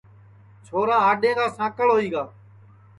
چھورا سپا ہاڈؔیں کا ساکݪ ہوئی گا